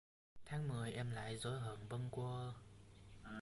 Tháng mười em lại dỗi hờn bâng quơ